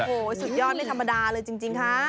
โอ้โหสุดยอดไม่ธรรมดาเลยจริงค่ะ